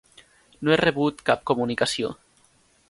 No he rebut cap comunicació.